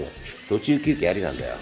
途中休憩ありなんだよ。